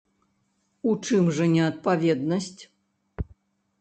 У чым жа неадпаведнасць?